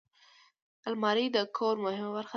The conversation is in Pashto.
الماري د کور مهمه برخه ده